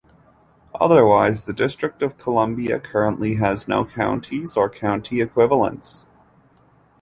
Otherwise the District of Columbia currently has no counties or county equivalents.